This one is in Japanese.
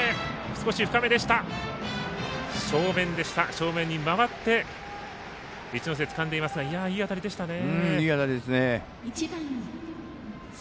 正面に回って市ノ瀬つかんでいますがいい当たりですね。